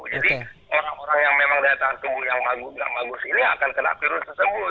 jadi orang orang yang memang daya tahan tubuh yang bagus bagus ini akan kena virus tersebut